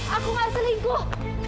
aku gak selingkuh